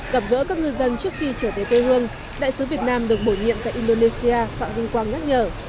gặp gỡ các ngư dân trước khi trở về quê hương đại sứ việt nam được bổ nhiệm tại indonesia phạm vinh quang nhắc nhở